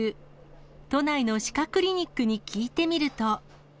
都内の歯科クリニックに聞いてみると。